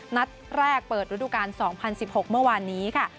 นัดแรกเปิดฤดูกาล๒๐๑๖เมื่อวานนี้ค่ะ